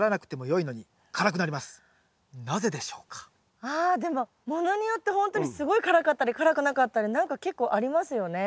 更にあでもものによってほんとにすごい辛かったり辛くなかったり何か結構ありますよね。